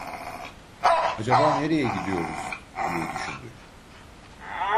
"Acaba nereye gidiyoruz?" diye düşündü.